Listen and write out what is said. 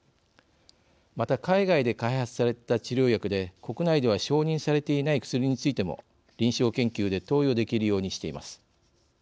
また、海外で開発された治療薬で国内では承認されていない薬についても臨床研究で投与できるようにしています。